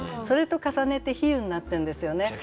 それと重ねて比喩になってるんですよね。